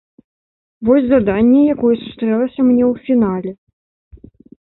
Вось заданне, якое сустрэлася мне ў фінале.